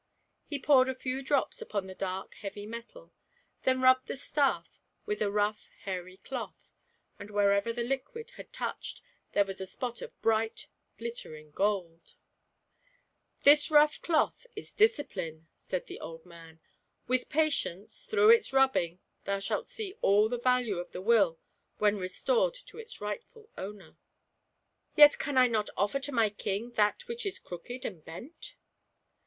He poured a few drops upon the dark heavy metal, then rubbed the staff with a rough hairy cloth, and wherever the liquid had touched, there was a spot of bright glitter ing gold ! GIANT PRIDE. 169 " This rough cloth is Discipline," said the old man ;" with patience, through its rubbing thou shalt see all the value of the Will when restored to its rightful owner." " Yet can I not offer to my king that which is crooked and bent